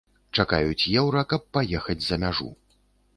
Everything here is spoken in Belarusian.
Чакаюць еўра, каб паехаць за мяжу.